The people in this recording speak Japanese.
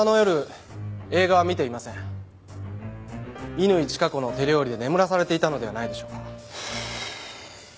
乾チカ子の手料理で眠らされていたのではないでしょうか？